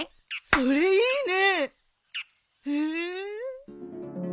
それいいね！